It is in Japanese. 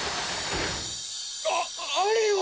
ああれは。